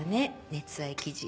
熱愛記事。